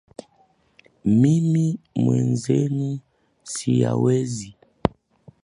Mimi mwenzenu siyawezi